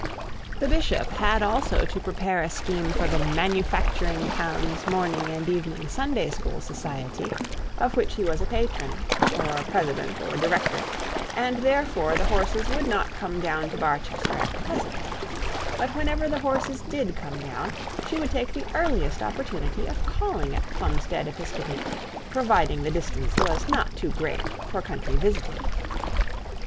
The bishop had also to prepare a scheme for the 'Manufacturing Towns Morning and Evening Sunday School Society', of which he was a patron, or president, or director, and therefore the horses would not come down to Barchester at present; but whenever the horses did come down, she would take the earliest opportunity of calling at Plumstead Episcopi, providing the distance was not too great for country visiting.